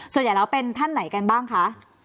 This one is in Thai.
ส่วนใหญ่แล้วเป็นท่านไหนกันบ้างคะ